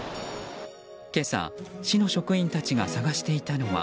今朝、市の職員たちが探していたのは。